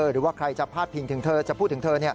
หรือว่าใครจะพาดพิงถึงเธอจะพูดถึงเธอ